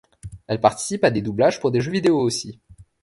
Elle participe à des doublages pour des jeux vidéo aussi.